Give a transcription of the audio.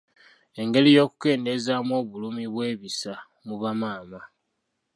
Engeri y'okukendeezaamu obulumi bw'ebisa mu bamaama.